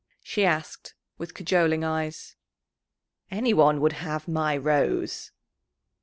she asked, with cajoling eyes. "Anyone would have my Rose."